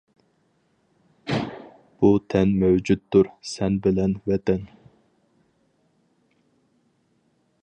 بۇ تەن مەۋجۇتتۇر سەن بىلەن ۋەتەن!